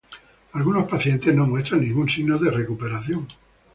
Algunos pacientes no muestran ningún signo de recuperación.